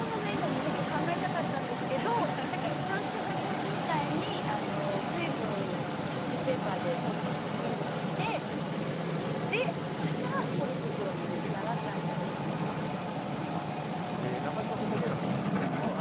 もっと考えたかったんですけどだからちゃんと先ほどみたいに水分をキッチンペーパーに包んで、取ってそれからポリ袋に入れたら中島君だけがＢですね。